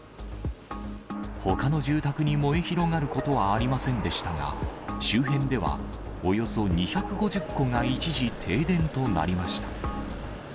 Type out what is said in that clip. ほかの住宅に燃え広がることはありませんでしたが、周辺では、およそ２５０戸が一時停電となりました。